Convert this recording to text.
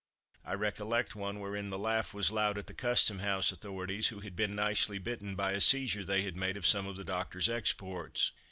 I recollect one wherein the laugh was loud at the Custom house authorities, who had been nicely bitten by a seizure they had made of some of the doctor's "exports."